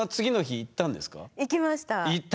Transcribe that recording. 行きました。